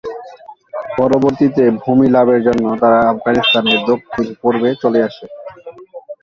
পরবর্তীতে ভূমি লাভের জন্য তারা আফগানিস্তানের দক্ষিণপূর্বে চলে আসে।